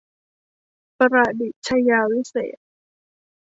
ประติชญาวิเศษณ์